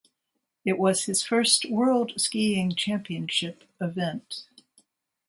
It was his first World Skiing Championship event.